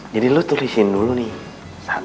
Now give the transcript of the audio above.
jadi lu tulisin dulu nih